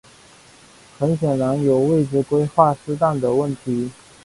很显然有位置规划失当的问题。